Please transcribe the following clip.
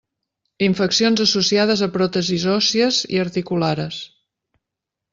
Infeccions associades a pròtesis òssies i articulares.